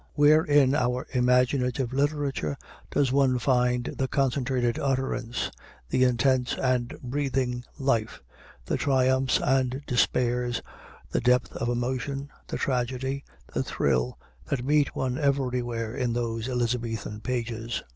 Where in our imaginative literature does one find the concentrated utterance, the intense and breathing life, the triumphs and despairs, the depth of emotion, the tragedy, the thrill, that meet one everywhere in those Elizabethan pages?